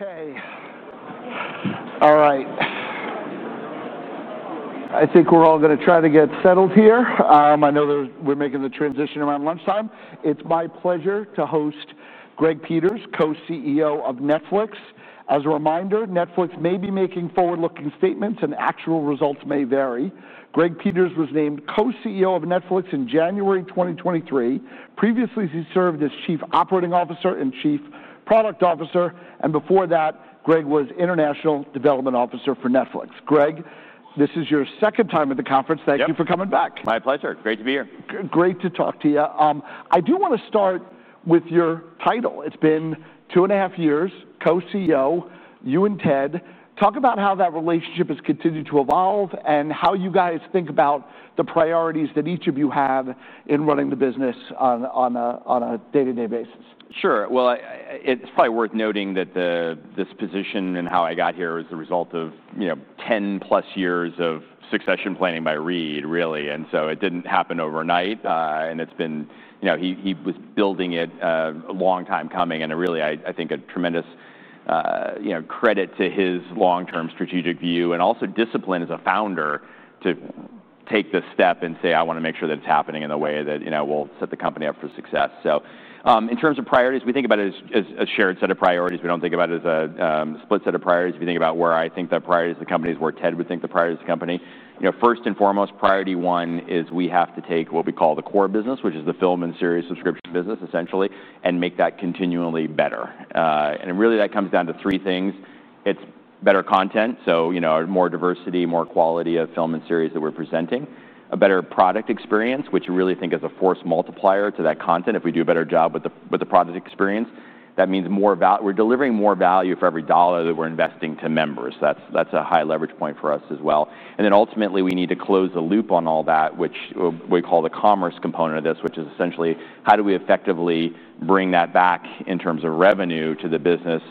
Okay. All right. I think we're all going to try to get settled here. I know we're making the transition around lunchtime. It's my pleasure to host Greg Peters, Co-CEO of Netflix. As a reminder, Netflix may be making forward-looking statements, and actual results may vary. Greg Peters was named Co-CEO of Netflix in January 2023. Previously, he served as Chief Operating Officer and Chief Product Officer, and before that, Greg was International Development Officer for Netflix. Greg, this is your second time at the conference. Thank you for coming back. My pleasure. It's great to be here. Great to talk to you. I do want to start with your title. It's been two and a half years, Co-CEO, you and Ted. Talk about how that relationship has continued to evolve and how you guys think about the priorities that each of you have in running the business on a day-to-day basis. Sure. It's probably worth noting that this position and how I got here was the result of 10+ years of succession planning by Reed, really. It didn't happen overnight. He was building it a long time coming. I think a tremendous credit to his long-term strategic view and also discipline as a founder to take this step and say, I want to make sure that it's happening in a way that will set the company up for success. In terms of priorities, we think about it as a shared set of priorities. We don't think about it as a split set of priorities. If you think about where I think the priorities of the company is, where Ted would think the priorities of the company, first and foremost, priority one is we have to take what we call the core business, which is the film and series subscription business, essentially, and make that continually better. That comes down to three things. It's better content, so more diversity, more quality of film and series that we're presenting, a better product experience, which we really think is a force multiplier to that content. If we do a better job with the product experience, that means we're delivering more value for every dollar that we're investing to members. That's a high leverage point for us as well. Ultimately, we need to close the loop on all that, which we call the commerce component of this, which is essentially how do we effectively bring that back in terms of revenue to the business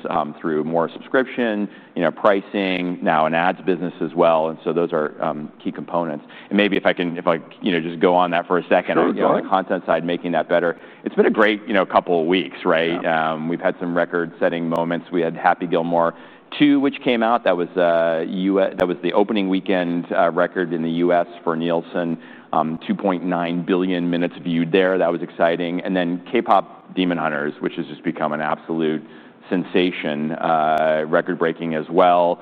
through more subscription, pricing, now an ads business as well. Those are key components. Maybe if I can just go on that for a second, on the content side, making that better, it's been a great couple of weeks, right? We've had some record-setting moments. We had Happy Gilmore 2, which came out. That was the opening weekend record in the U.S. for Nielsen. 2.9 billion minutes viewed there. That was exciting. K-pop Demon Hunters, which has just become an absolute sensation, record-breaking as well.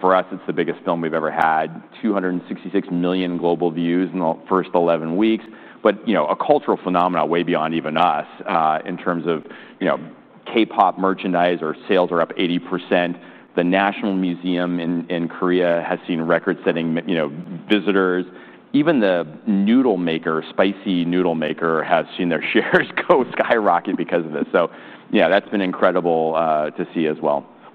For us, it's the biggest film we've ever had 266 million global views in the first 11 weeks. A cultural phenomenon way beyond even us in terms of K-pop merchandise, our sales are up 80%. The National Museum in Korea has seen record-setting visitors. Even the noodle maker, spicy noodle maker, has seen their shares go skyrocket because of this. That's been incredible to see as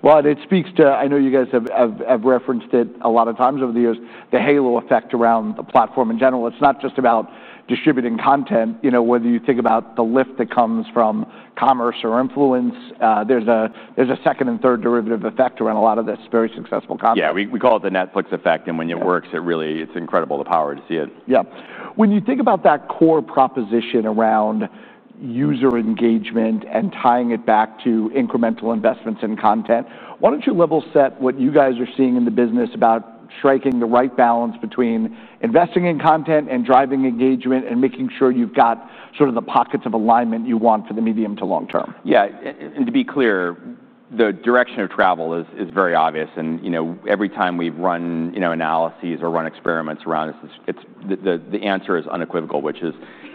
well. It speaks to, I know you guys have referenced it a lot of times over the years, the halo effect around the platform in general. It's not just about distributing content. Whether you think about the lift that comes from commerce or influence, there's a second and third derivative effect around a lot of this very successful content. Yeah, we call it the Netflix effect. When it works, it's incredible, the power to see it. When you think about that core proposition around user engagement and tying it back to incremental investments in content, why don't you level set what you guys are seeing in the business about striking the right balance between investing in content and driving engagement and making sure you've got the pockets of alignment you want for the medium to long term? Yeah. To be clear, the direction of travel is very obvious. Every time we run analyses or run experiments around this, the answer is unequivocal, which is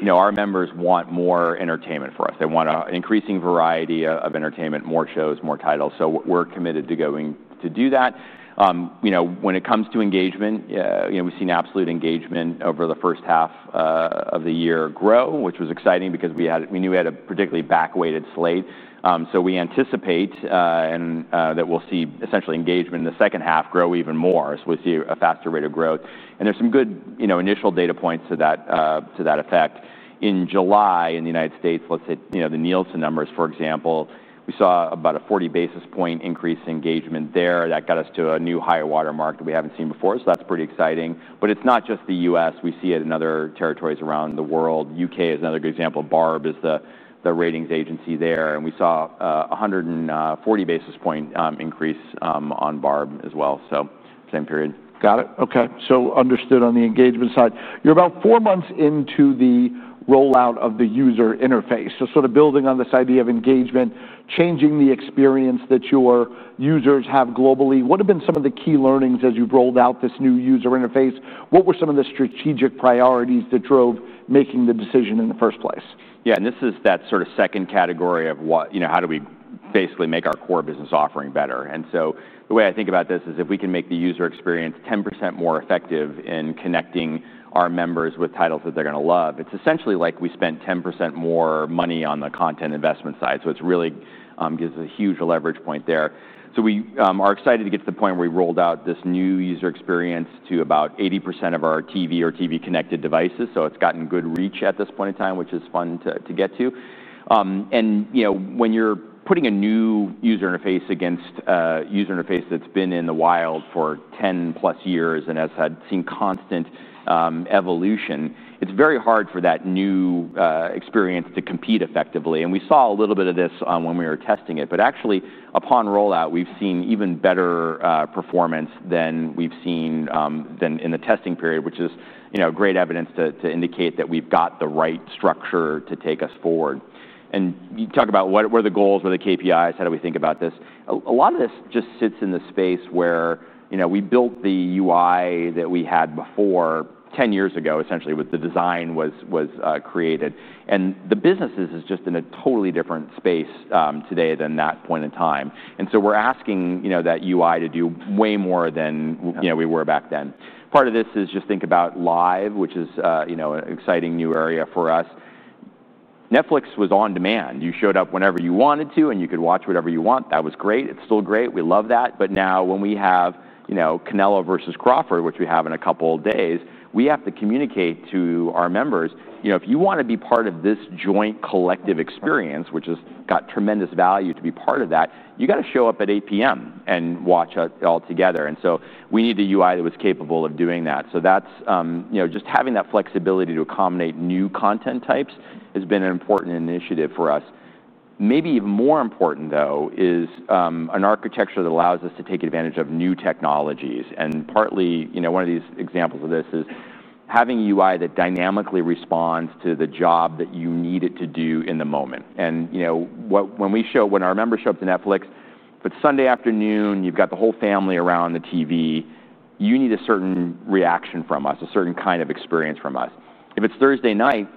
our members want more entertainment from us. They want an increasing variety of entertainment, more shows, more titles. We're committed to going to do that. When it comes to engagement, we've seen absolute engagement over the first half of the year grow, which was exciting because we knew we had a particularly back-weighted slate. We anticipate that we'll see essentially engagement in the second half grow even more. We see a faster rate of growth, and there's some good initial data points to that effect. In July, in the U.S., let's say the Nielsen numbers, for example, we saw about a 40 basis point increase in engagement there. That got us to a new higher watermark that we haven't seen before, which is pretty exciting. It's not just the U.S. We see it in other territories around the world. The UK is another good example. BARB is the ratings agency there, and we saw a 140 basis point increase on BARB as well, same period. Got it. Okay. Understood on the engagement side. You're about four months into the rollout of the user interface. Sort of building on this idea of engagement, changing the experience that your users have globally, what have been some of the key learnings as you've rolled out this new user interface? What were some of the strategic priorities that drove making the decision in the first place? Yeah, and this is that sort of second category of how do we basically make our core business offering better. The way I think about this is if we can make the user experience 10% more effective in connecting our members with titles that they're going to love, it's essentially like we spent 10% more money on the content investment side. It really gives a huge leverage point there. We are excited to get to the point where we rolled out this new user experience to about 80% of our TV or TV-connected devices. It's gotten good reach at this point in time, which is fun to get to. When you're putting a new user interface against a user interface that's been in the wild for 10+ years and has seen constant evolution, it's very hard for that new experience to compete effectively. We saw a little bit of this when we were testing it. Actually, upon rollout, we've seen even better performance than we've seen in the testing period, which is great evidence to indicate that we've got the right structure to take us forward. You talk about what are the goals, what are the KPIs, how do we think about this? A lot of this just sits in the space where we built the UI that we had before, 10 years ago, essentially, with the design was created. The business is just in a totally different space today than that point in time. We're asking that UI to do way more than we were back then. Part of this is just think about live, which is an exciting new area for us. Netflix was on demand. You showed up whenever you wanted to, and you could watch whatever you want. That was great. It's still great. We love that. Now when we have Canelo versus Crawford, which we have in a couple of days, we have to communicate to our members, if you want to be part of this joint collective experience, which has got tremendous value to be part of that, you got to show up at 8:00 P.M. and watch it all together. We need a UI that was capable of doing that. Just having that flexibility to accommodate new content types has been an important initiative for us. Maybe even more important, though, is an architecture that allows us to take advantage of new technologies. Partly, one of these examples of this is having a UI that dynamically responds to the job that you need it to do in the moment. When our members show up to Netflix, if it's Sunday afternoon, you've got the whole family around the TV, you need a certain reaction from us, a certain kind of experience from us. If it's Thursday night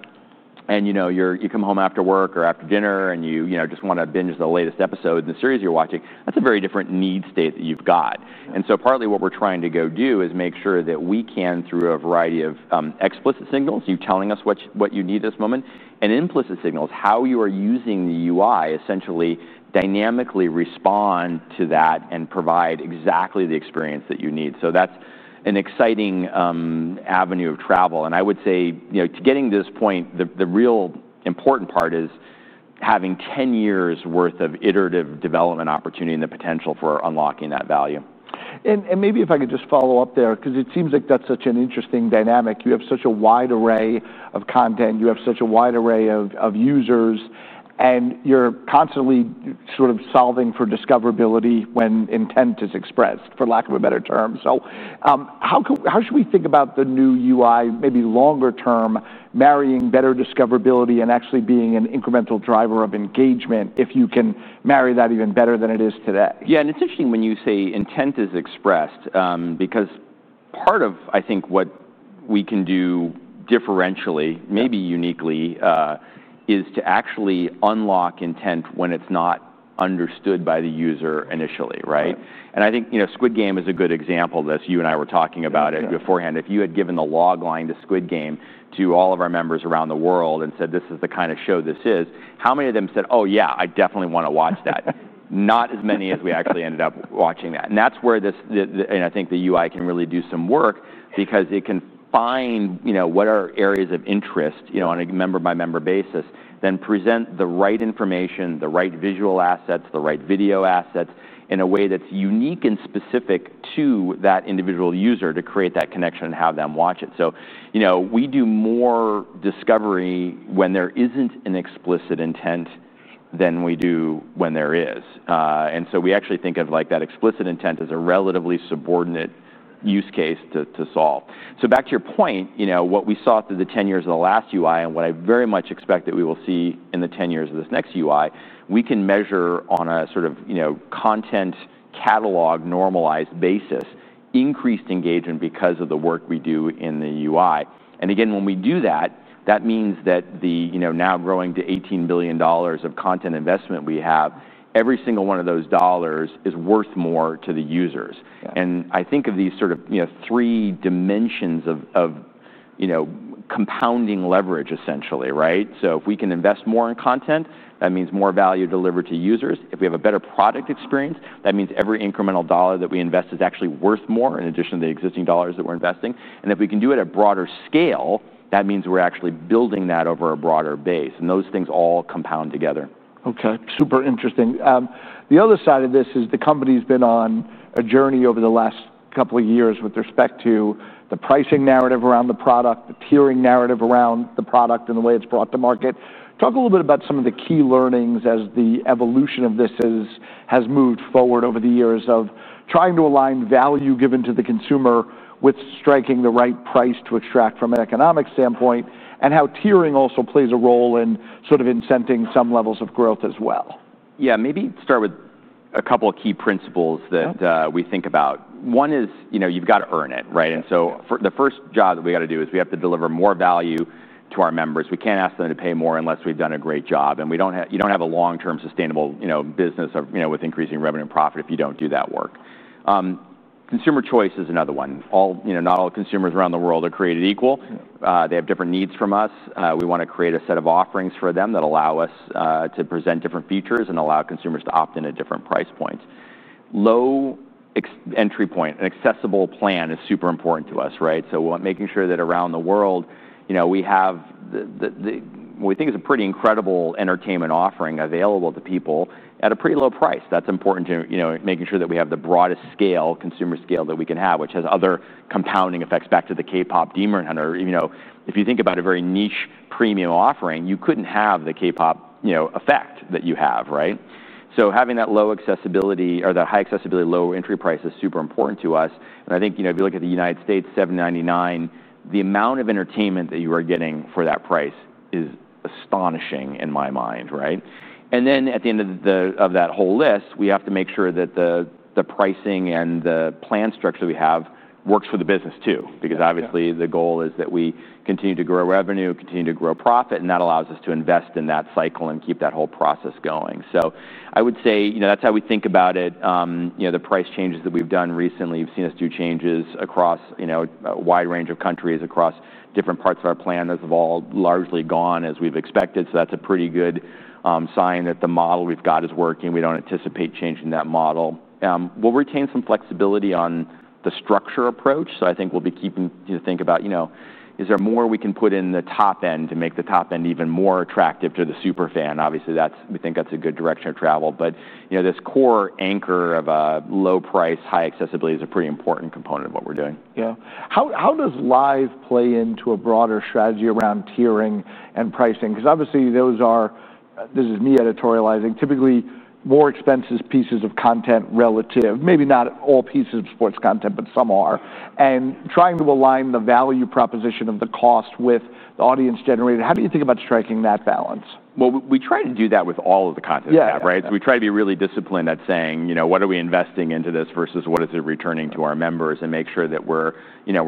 and you come home after work or after dinner and you just want to binge the latest episode of the series you're watching, that's a very different need state that you've got. Partly what we're trying to do is make sure that we can, through a variety of explicit signals, you telling us what you need at this moment, and implicit signals, how you are using the UI, essentially dynamically respond to that and provide exactly the experience that you need. That's an exciting avenue of travel. I would say to getting to this point, the real important part is having 10 years' worth of iterative development opportunity and the potential for unlocking that value. Maybe if I could just follow up there, because it seems like that's such an interesting dynamic. You have such a wide array of content. You have such a wide array of users. You're constantly sort of solving for discoverability when intent is expressed, for lack of a better term. How should we think about the new UI, maybe longer term, marrying better discoverability and actually being an incremental driver of engagement if you can marry that even better than it is today? Yeah, and it's interesting when you say intent is expressed, because part of, I think, what we can do differentially, maybe uniquely, is to actually unlock intent when it's not understood by the user initially, right? I think Squid Game is a good example of this. You and I were talking about it beforehand. If you had given the logline to Squid Game to all of our members around the world and said, this is the kind of show this is, how many of them said, oh, yeah, I definitely want to watch that? Not as many as we actually ended up watching that. That's where this, and I think the UI can really do some work, because it can find what are areas of interest on a member-by-member basis, then present the right information, the right visual assets, the right video assets in a way that's unique and specific to that individual user to create that connection and have them watch it. We do more discovery when there isn't an explicit intent than we do when there is. We actually think of that explicit intent as a relatively subordinate use case to solve. Back to your point, what we saw through the 10 years of the last UI, and what I very much expect that we will see in the 10 years of this next UI, we can measure on a sort of content catalog normalized basis, increased engagement because of the work we do in the UI. Again, when we do that, that means that now growing to $18 billion of content investment we have, every single one of those dollars is worth more to the users. I think of these sort of three dimensions of compounding leverage, essentially, right? If we can invest more in content, that means more value delivered to users. If we have a better product experience, that means every incremental dollar that we invest is actually worth more in addition to the existing dollars that we're investing. If we can do it at a broader scale, that means we're actually building that over a broader base. Those things all compound together. OK, super interesting. The other side of this is the company's been on a journey over the last couple of years with respect to the pricing narrative around the product, the tiering narrative around the product, and the way it's brought to market. Talk a little bit about some of the key learnings as the evolution of this has moved forward over the years of trying to align value given to the consumer with striking the right price to extract from an economic standpoint, and how tiering also plays a role in sort of incenting some levels of growth as well. Yeah, maybe start with a couple of key principles that we think about. One is you've got to earn it, right? The first job that we got to do is we have to deliver more value to our members. We can't ask them to pay more unless we've done a great job. You don't have a long-term sustainable business with increasing revenue and profit if you don't do that work. Consumer choice is another one. Not all consumers around the world are created equal. They have different needs from us. We want to create a set of offerings for them that allow us to present different features and allow consumers to opt in at different price points. Low entry point, an accessible plan is super important to us, right? Making sure that around the world we have what we think is a pretty incredible entertainment offering available to people at a pretty low price. That's important to making sure that we have the broadest scale, consumer scale that we can have, which has other compounding effects back to the K-pop Demon Hunters. If you think about a very niche premium offering, you couldn't have the K-pop effect that you have, right? Having that low accessibility or that high accessibility, low entry price is super important to us. I think if you look at the U.S., $7.99, the amount of entertainment that you are getting for that price is astonishing in my mind, right? At the end of that whole list, we have to make sure that the pricing and the plan structure that we have works for the business too, because obviously the goal is that we continue to grow revenue, continue to grow profit, and that allows us to invest in that cycle and keep that whole process going. I would say that's how we think about it. The price changes that we've done recently, you've seen us do changes across a wide range of countries across different parts of our plan. It's all largely gone as we've expected. That's a pretty good sign that the model we've got is working. We don't anticipate changing that model. We'll retain some flexibility on the structure approach. I think we'll be keeping to think about, is there more we can put in the top end to make the top end even more attractive to the superfan? Obviously, we think that's a good direction of travel. This core anchor of a low price, high accessibility is a pretty important component of what we're doing. Yeah. How does live play into a broader strategy around tiering and pricing? Because obviously, those are, this is me editorializing, typically more expensive pieces of content relative, maybe not all pieces of sports content, but some are. Trying to align the value proposition of the cost with the audience generated, how do you think about striking that balance? We try to do that with all of the content we have, right? We try to be really disciplined at saying, what are we investing into this versus what is it returning to our members and make sure that we're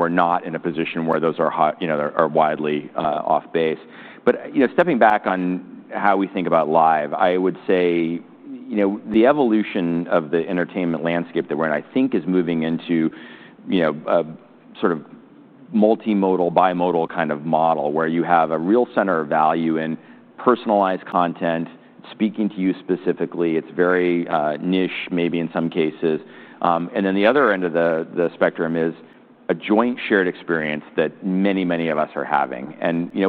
not in a position where those are widely off base. Stepping back on how we think about live, I would say the evolution of the entertainment landscape that we're in, I think, is moving into a sort of multimodal, bimodal kind of model where you have a real center of value in personalized content, speaking to you specifically. It's very niche, maybe in some cases. At the other end of the spectrum is a joint shared experience that many, many of us are having.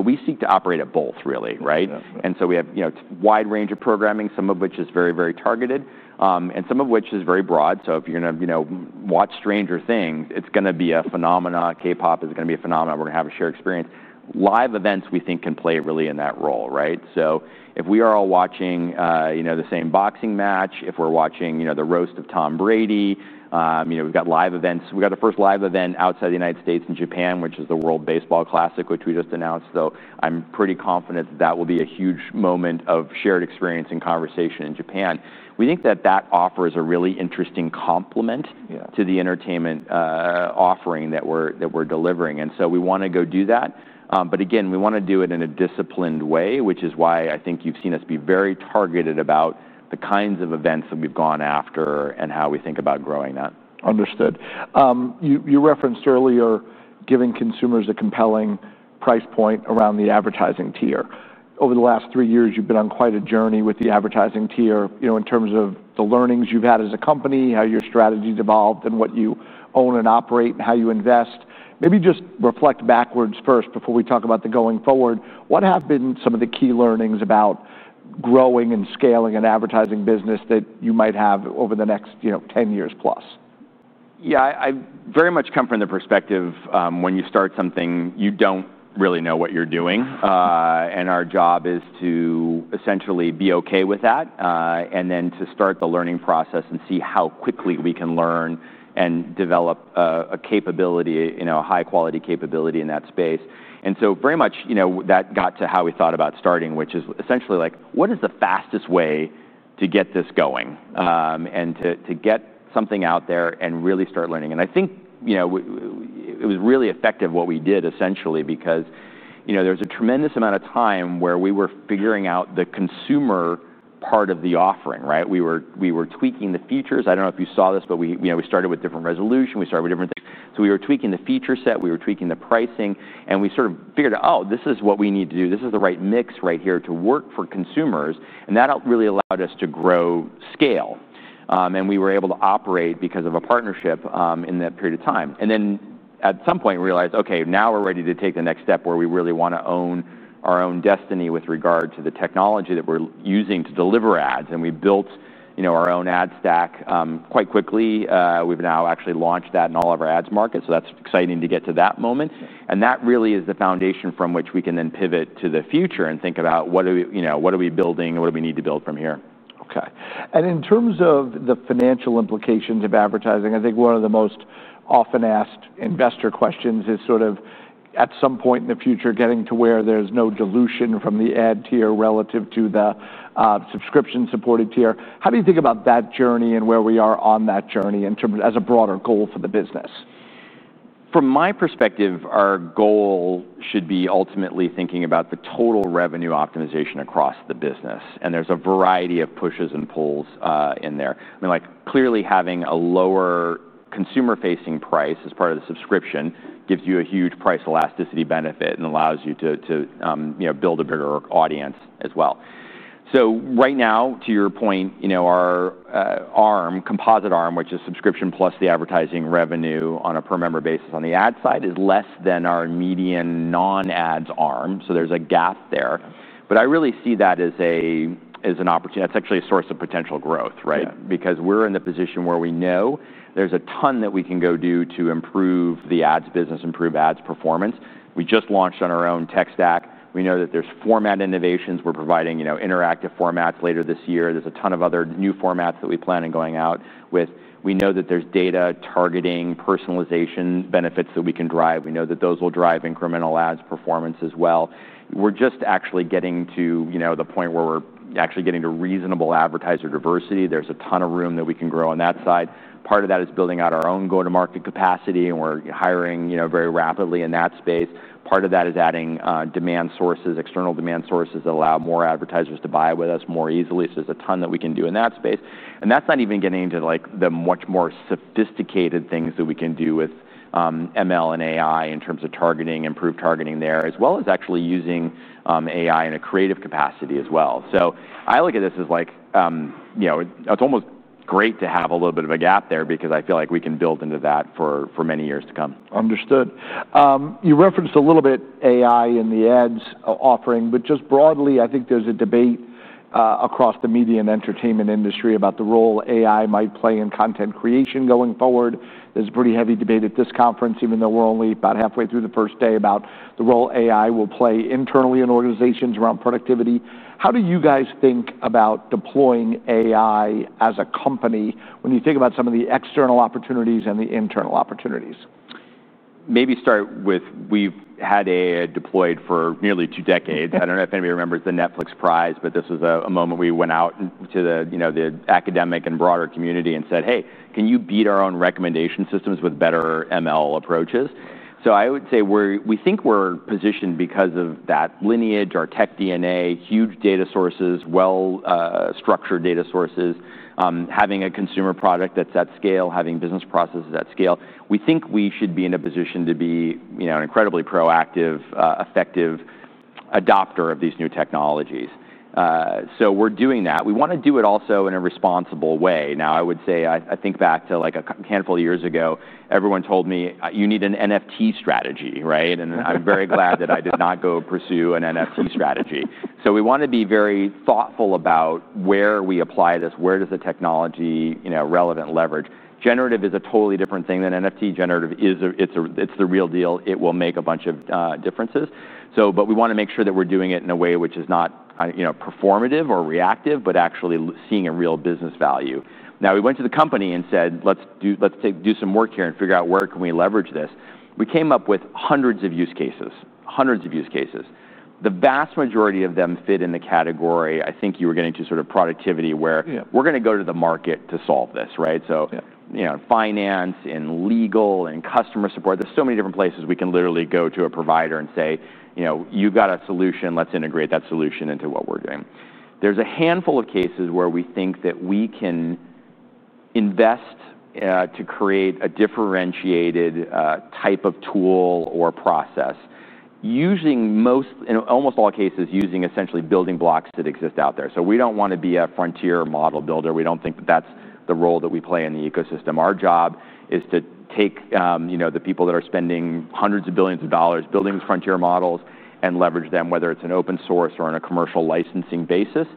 We seek to operate at both, really, right? We have a wide range of programming, some of which is very, very targeted, and some of which is very broad. If you're going to watch Stranger Things, it's going to be a phenomenon. K-pop is going to be a phenomenon. We're going to have a shared experience. Live events, we think, can play really in that role, right? If we are all watching the same boxing match, if we're watching the roast of Tom Brady, we've got live events. We've got our first live event outside the U.S. in Japan, which is the World Baseball Classic, which we just announced. I'm pretty confident that that will be a huge moment of shared experience and conversation in Japan. We think that that offers a really interesting complement to the entertainment offering that we're delivering. We want to go do that. Again, we want to do it in a disciplined way, which is why I think you've seen us be very targeted about the kinds of events that we've gone after and how we think about growing that. Understood. You referenced earlier giving consumers a compelling price point around the advertising tier. Over the last three years, you've been on quite a journey with the advertising tier in terms of the learnings you've had as a company, how your strategy's evolved, what you own and operate, and how you invest. Maybe just reflect backwards first before we talk about going forward. What have been some of the key learnings about growing and scaling an advertising business that you might have over the next 10+ years? Yeah, I very much come from the perspective when you start something, you don't really know what you're doing. Our job is to essentially be OK with that and then to start the learning process and see how quickly we can learn and develop a capability, a high-quality capability in that space. That got to how we thought about starting, which is essentially like, what is the fastest way to get this going and to get something out there and really start learning? I think it was really effective what we did, essentially, because there was a tremendous amount of time where we were figuring out the consumer part of the offering, right? We were tweaking the features. I don't know if you saw this, but we started with different resolution. We started with different things. We were tweaking the feature set. We were tweaking the pricing. We sort of figured out, oh, this is what we need to do. This is the right mix right here to work for consumers. That really allowed us to grow scale. We were able to operate because of a partnership in that period of time. At some point, we realized, OK, now we're ready to take the next step where we really want to own our own destiny with regard to the technology that we're using to deliver ads. We built our own ad stack quite quickly. We've now actually launched that in all of our ads markets. That's exciting to get to that moment. That really is the foundation from which we can then pivot to the future and think about what are we building and what do we need to build from here. OK. In terms of the financial implications of advertising, I think one of the most often asked investor questions is at some point in the future getting to where there's no dilution from the ad tier relative to the subscription-supported tier. How do you think about that journey and where we are on that journey as a broader goal for the business? From my perspective, our goal should be ultimately thinking about the total revenue optimization across the business. There is a variety of pushes and pulls in there. I mean, clearly having a lower consumer-facing price as part of the subscription gives you a huge price elasticity benefit and allows you to build a bigger audience as well. Right now, to your point, our composite arm, which is subscription plus the advertising revenue on a per-member basis on the ad side, is less than our median non-ads arm. There is a gap there. I really see that as an opportunity. That is actually a source of potential growth, right? We are in the position where we know there is a ton that we can go do to improve the ads business, improve ads performance. We just launched on our own tech stack. We know that there are format innovations. We are providing interactive formats later this year. There is a ton of other new formats that we plan on going out with. We know that there are data targeting personalization benefits that we can drive. We know that those will drive incremental ads performance as well. We are just actually getting to the point where we are actually getting to reasonable advertiser diversity. There is a ton of room that we can grow on that side. Part of that is building out our own go-to-market capacity. We are hiring very rapidly in that space. Part of that is adding demand sources, external demand sources that allow more advertisers to buy with us more easily. There is a ton that we can do in that space. That is not even getting to the much more sophisticated things that we can do with ML and AI in terms of targeting, improved targeting there, as well as actually using AI in a creative capacity as well. I look at this as like, it is almost great to have a little bit of a gap there because I feel like we can build into that for many years to come. Understood. You referenced a little bit AI in the ads offering. Just broadly, I think there's a debate across the media and entertainment industry about the role AI might play in content creation going forward. There's a pretty heavy debate at this conference, even though we're only about halfway through the first day, about the role AI will play internally in organizations around productivity. How do you guys think about deploying AI as a company when you think about some of the external opportunities and the internal opportunities? Maybe start with we've had AI deployed for nearly two decades. I don't know if anybody remembers the Netflix Prize, but this was a moment we went out to the academic and broader community and said, hey, can you beat our own recommendation systems with better ML approaches? I would say we think we're positioned because of that lineage, our tech DNA, huge data sources, well-structured data sources, having a consumer product that's at scale, having business processes at scale. We think we should be in a position to be an incredibly proactive, effective adopter of these new technologies. We're doing that. We want to do it also in a responsible way. I think back to like a handful of years ago, everyone told me you need an NFT strategy, right? I'm very glad that I did not go pursue an NFT strategy. We want to be very thoughtful about where we apply this. Where does the technology relevant leverage? Generative is a totally different thing than NFT. Generative is the real deal. It will make a bunch of differences. We want to make sure that we're doing it in a way which is not performative or reactive, but actually seeing a real business value. We went to the company and said, let's do some work here and figure out where can we leverage this. We came up with hundreds of use cases, hundreds of use cases. The vast majority of them fit in the category, I think you were getting to sort of productivity, where we're going to go to the market to solve this, right? Finance and legal and customer support, there's so many different places we can literally go to a provider and say, you've got a solution. Let's integrate that solution into what we're doing. There's a handful of cases where we think that we can invest to create a differentiated type of tool or process, using most, in almost all cases, using essentially building blocks that exist out there. We don't want to be a frontier model builder. We don't think that that's the role that we play in the ecosystem. Our job is to take the people that are spending hundreds of billions of dollars building frontier models and leverage them, whether it's an open source or on a commercial licensing basis,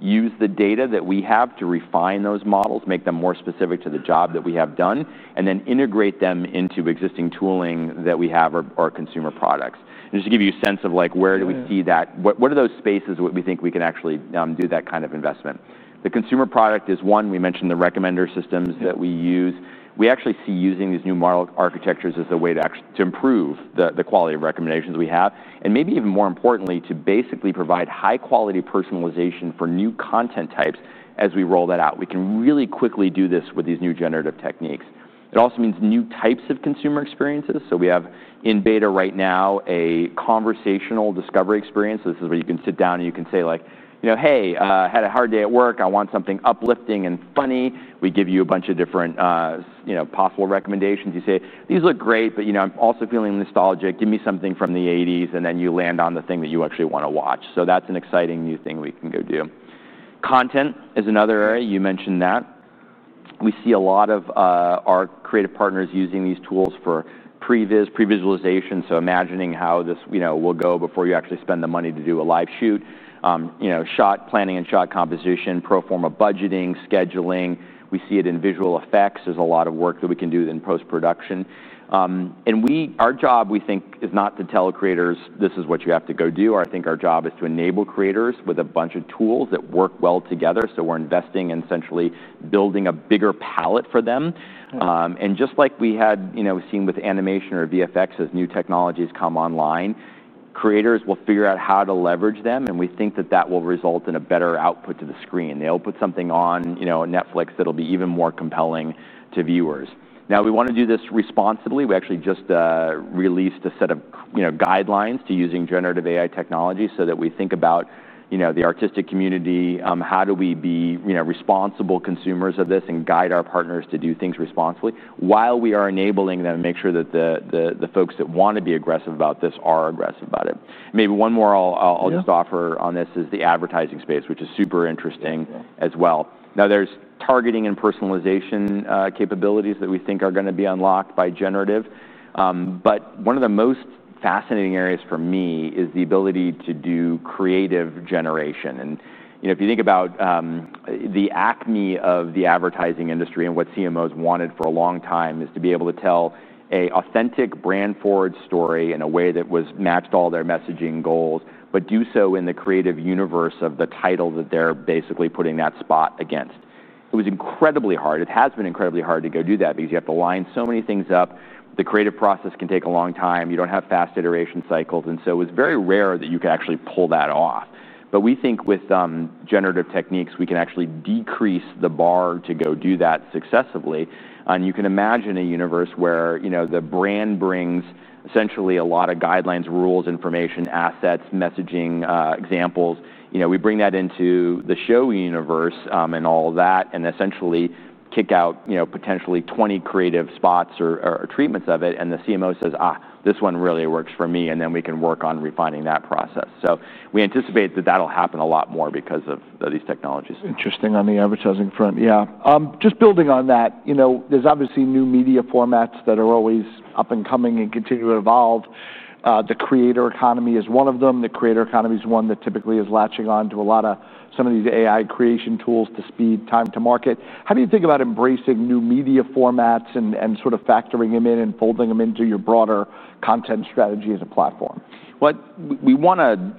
use the data that we have to refine those models, make them more specific to the job that we have done, and then integrate them into existing tooling that we have or consumer products. To give you a sense of where we see that, what are those spaces that we think we can actually do that kind of investment? The consumer product is one. We mentioned the recommender systems that we use. We actually see using these new model architectures as a way to improve the quality of recommendations we have, and maybe even more importantly, to basically provide high-quality personalization for new content types as we roll that out. We can really quickly do this with these new generative techniques. It also means new types of consumer experiences. We have in beta right now a conversational discovery experience. This is where you can sit down and you can say, like, hey, I had a hard day at work. I want something uplifting and funny. We give you a bunch of different possible recommendations. You say, these look great, but I'm also feeling nostalgic. Give me something from the 1980s. You land on the thing that you actually want to watch. That's an exciting new thing we can go do. Content is another area. You mentioned that. We see a lot of our creative partners using these tools for previsualization, imagining how this will go before you actually spend the money to do a live shoot, shot planning and shot composition, pro forma budgeting, scheduling. We see it in visual effects. There's a lot of work that we can do in post-production. Our job, we think, is not to tell creators, this is what you have to go do. Our job is to enable creators with a bunch of tools that work well together. We're investing in essentially building a bigger palette for them. Just like we had seen with animation or VFX as new technologies come online, creators will figure out how to leverage them. We think that will result in a better output to the screen. They'll put something on Netflix that'll be even more compelling to viewers. We want to do this responsibly. We actually just released a set of guidelines to using generative AI technology so that we think about the artistic community, how do we be responsible consumers of this and guide our partners to do things responsibly while we are enabling them and make sure that the folks that want to be aggressive about this are aggressive about it. Maybe one more I'll just offer on this is the advertising space, which is super interesting as well. There are targeting and personalization capabilities that we think are going to be unlocked by generative. One of the most fascinating areas for me is the ability to do creative generation. If you think about the acme of the advertising industry and what CMOs wanted for a long time, it is to be able to tell an authentic brand-forward story in a way that matched all their messaging goals, but do so in the creative universe of the title that they're basically putting that spot against. It was incredibly hard. It has been incredibly hard to go do that because you have to line so many things up. The creative process can take a long time. You don't have fast iteration cycles. It was very rare that you could actually pull that off. We think with generative techniques, we can actually decrease the bar to go do that successively. You can imagine a universe where the brand brings essentially a lot of guidelines, rules, information, assets, messaging, examples. We bring that into the show universe and all of that and essentially kick out potentially 20 creative spots or treatments of it. The CMO says, this one really works for me. We can work on refining that process. We anticipate that that'll happen a lot more because of these technologies. Interesting on the advertising front. Just building on that, there's obviously new media formats that are always up and coming and continue to evolve. The creator economy is one of them. The creator economy is one that typically is latching on to a lot of some of these AI creation tools to speed time to market. How do you think about embracing new media formats and sort of factoring them in and folding them into your broader content strategy as a platform? We want to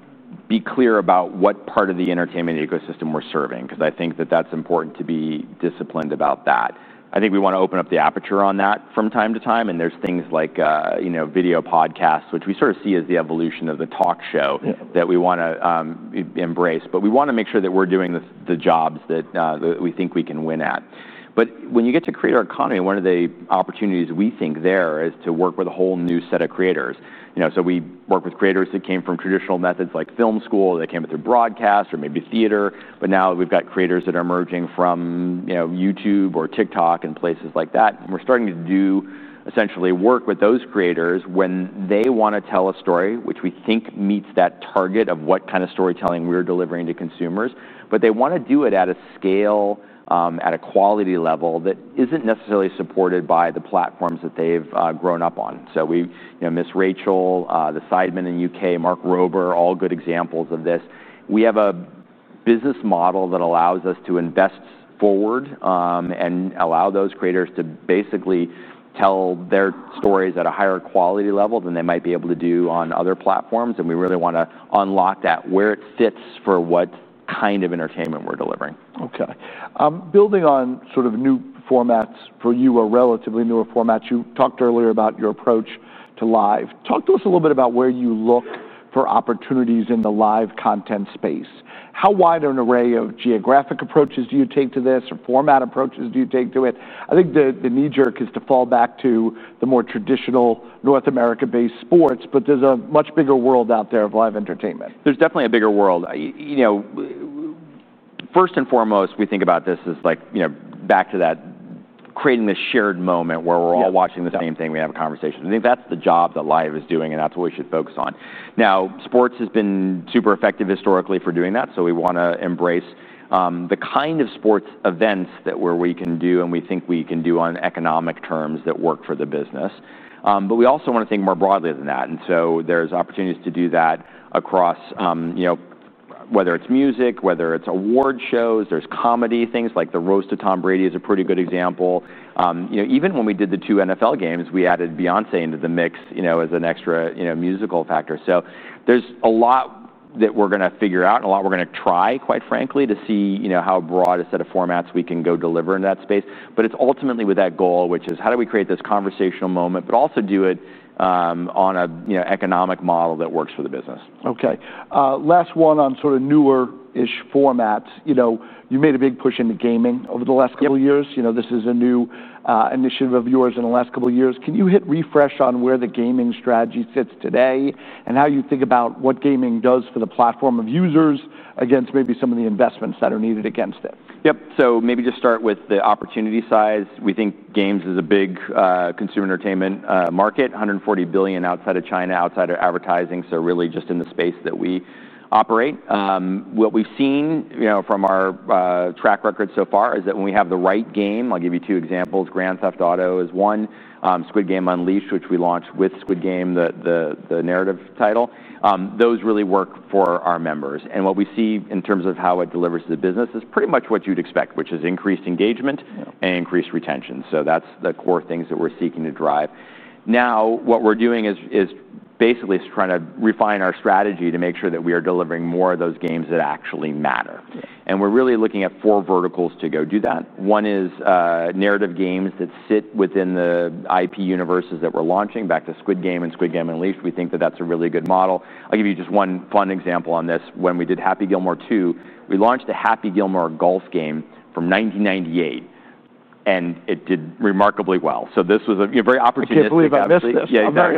be clear about what part of the entertainment ecosystem we're serving because I think that that's important to be disciplined about that. I think we want to open up the aperture on that from time to time. There's things like video podcasts, which we sort of see as the evolution of the talk show that we want to embrace. We want to make sure that we're doing the jobs that we think we can win at. When you get to creator economy, one of the opportunities we think there is to work with a whole new set of creators. We work with creators that came from traditional methods like film school. They came through broadcast or maybe theater. Now we've got creators that are emerging from YouTube or TikTok and places like that. We're starting to do essentially work with those creators when they want to tell a story, which we think meets that target of what kind of storytelling we're delivering to consumers. They want to do it at a scale, at a quality level that isn't necessarily supported by the platforms that they've grown up on. Miss Rachel, the Sidemen in the UK, Mark Rober, all good examples of this. We have a business model that allows us to invest forward and allow those creators to basically tell their stories at a higher quality level than they might be able to do on other platforms. We really want to unlock that where it fits for what kind of entertainment we're delivering. OK. Building on sort of new formats for you or relatively newer formats, you talked earlier about your approach to live. Talk to us a little bit about where you look for opportunities in the live content space. How wide an array of geographic approaches do you take to this or format approaches do you take to it? I think the knee jerk is to fall back to the more traditional North America-based sports. There's a much bigger world out there of live entertainment. There's definitely a bigger world. First and foremost, we think about this as back to that creating the shared moment where we're all watching the same thing. We have a conversation. I think that's the job that live is doing, and that's what we should focus on. Sports has been super effective historically for doing that, so we want to embrace the kind of sports events that we can do and we think we can do on economic terms that work for the business. We also want to think more broadly than that, and so there's opportunities to do that across, whether it's music or award shows. There's comedy, things like the roast of Tom Brady is a pretty good example. Even when we did the two NFL games, we added Beyoncé into the mix as an extra musical factor. There's a lot that we're going to figure out and a lot we're going to try, quite frankly, to see how broad a set of formats we can go deliver in that space. It's ultimately with that goal, which is how do we create this conversational moment, but also do it on an economic model that works for the business. OK. Last one on sort of newer-ish formats. You made a big push into gaming over the last couple of years. This is a new initiative of yours in the last couple of years. Can you hit refresh on where the gaming strategy sits today and how you think about what gaming does for the platform of users against maybe some of the investments that are needed against it? Yep. Maybe just start with the opportunity size. We think games is a big consumer entertainment market, $140 billion outside of China, outside of advertising. Really just in the space that we operate. What we've seen from our track record so far is that when we have the right game, I'll give you two examples. Grand Theft Auto is one. Squid Game Unleashed, which we launched with Squid Game, the narrative title, those really work for our members. What we see in terms of how it delivers to the business is pretty much what you'd expect, which is increased engagement and increased retention. That's the core things that we're seeking to drive. What we're doing is basically trying to refine our strategy to make sure that we are delivering more of those games that actually matter. We're really looking at four verticals to go do that. One is narrative games that sit within the IP universes that we're launching, back to Squid Game and Squid Game Unleashed. We think that that's a really good model. I'll give you just one fun example on this. When we did Happy Gilmore 2, we launched a Happy Gilmore golf game from 1998. It did remarkably well. This was a very opportunistic... Can't believe I missed this. Yeah, I'm very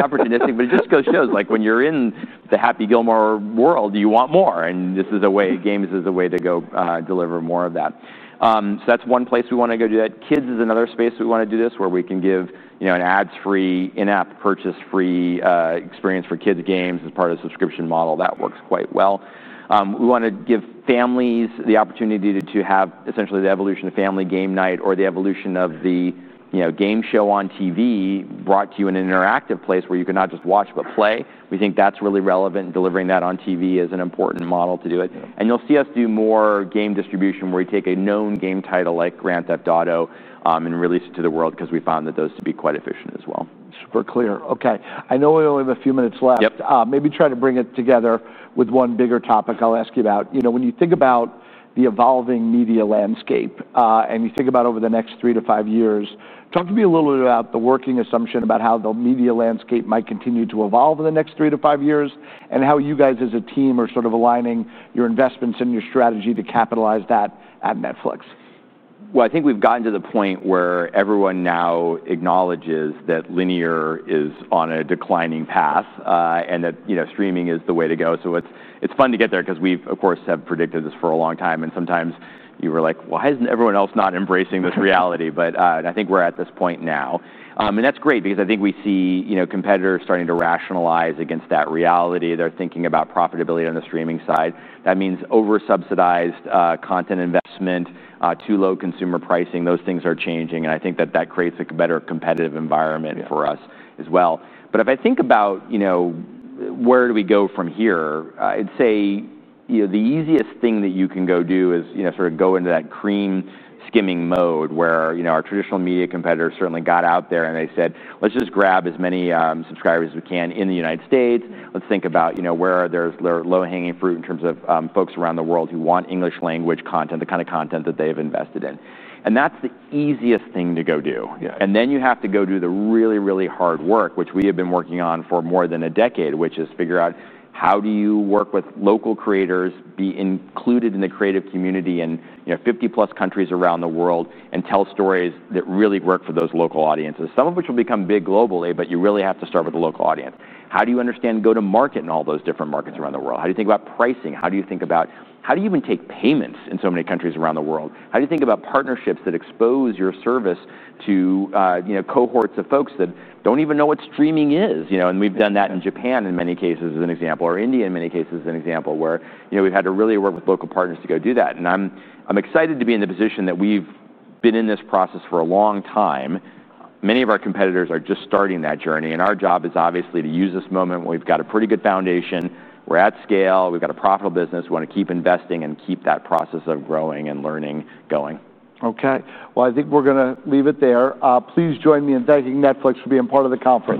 opportunistic. It just goes to show, like when you're in the Happy Gilmore world, you want more. This is a way, games is a way to go deliver more of that. That's one place we want to go do that. Kids is another space we want to do this, where we can give an ad-free, in-app purchase-free experience for kids' games as part of the subscription model. That works quite well. We want to give families the opportunity to have essentially the evolution of the family game night or the evolution of the game show on TV brought to you in an interactive place where you cannot just watch but play. We think that's really relevant. Delivering that on TV is an important model to do it. You'll see us do more game distribution where we take a known game title like Grand Theft Auto and release it to the world because we found those to be quite efficient as well. Super clear. OK. I know we only have a few minutes left. Maybe try to bring it together with one bigger topic I'll ask you about. When you think about the evolving media landscape and you think about over the next three to five years, talk to me a little bit about the working assumption about how the media landscape might continue to evolve in the next three to five years and how you guys as a team are sort of aligning your investments and your strategy to capitalize that at Netflix. I think we've gotten to the point where everyone now acknowledges that linear is on a declining path and that streaming is the way to go. It's fun to get there because we, of course, have predicted this for a long time. Sometimes you were like, why isn't everyone else not embracing this reality? I think we're at this point now. That's great because I think we see competitors starting to rationalize against that reality. They're thinking about profitability on the streaming side. That means oversubsidized content investment, too low consumer pricing. Those things are changing. I think that creates a better competitive environment for us as well. If I think about where do we go from here, I'd say the easiest thing that you can go do is sort of go into that cream skimming mode where our traditional media competitors certainly got out there and they said, let's just grab as many subscribers as we can in the U.S. Let's think about where there's low-hanging fruit in terms of folks around the world who want English language content, the kind of content that they've invested in. That's the easiest thing to go do. Then you have to go do the really, really hard work, which we have been working on for more than a decade, which is figure out how do you work with local creators, be included in the creative community in 50+ countries around the world, and tell stories that really work for those local audiences, some of which will become big globally. You really have to start with a local audience. How do you understand go-to-market in all those different markets around the world? How do you think about pricing? How do you think about how do you even take payments in so many countries around the world? How do you think about partnerships that expose your service to cohorts of folks that don't even know what streaming is? We've done that in Japan in many cases as an example, or India in many cases as an example, where we've had to really work with local partners to go do that. I'm excited to be in the position that we've been in this process for a long time. Many of our competitors are just starting that journey. Our job is obviously to use this moment when we've got a pretty good foundation. We're at scale. We've got a profitable business. We want to keep investing and keep that process of growing and learning going. OK. I think we're going to leave it there. Please join me in thanking Netflix for being part of the conference.